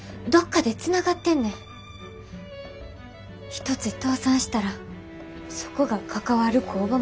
一つ倒産したらそこが関わる工場も共倒れやねん。